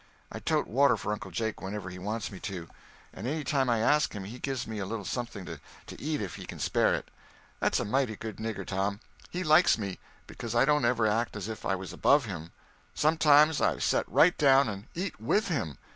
I tote water for Uncle Jake whenever he wants me to, and any time I ask him he gives me a little something to eat if he can spare it. That's a mighty good nigger, Tom. He likes me, becuz I don't ever act as if I was above him. Sometime I've set right down and eat with him.